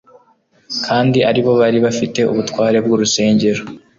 kandi aribo bari bafite ubutware bw'urusengero.